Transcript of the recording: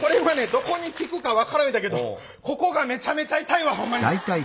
どこに効くか分からん言うたけどここがめちゃめちゃ痛いわほんまに。